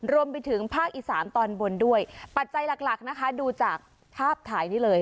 รวมไปถึงภาคอีสานตอนบนด้วยปัจจัยหลักหลักนะคะดูจากภาพถ่ายนี้เลย